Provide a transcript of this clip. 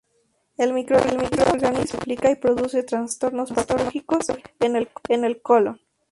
El microorganismo se multiplica y produce trastornos patológicos en el colon.